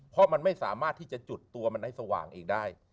เพราะมันไม่สามารถที่จะจุดตัวมันให้สว่างเองได้